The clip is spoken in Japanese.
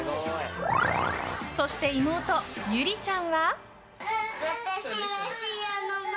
そして妹・ゆりちゃんは。